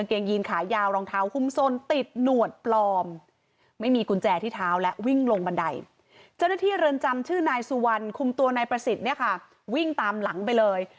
เราทดลำลังไปเลย